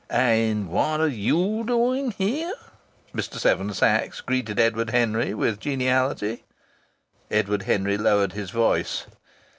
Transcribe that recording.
"And what are you doing here?" Mr. Seven Sachs greeted Edward Henry with geniality. Edward Henry lowered his voice.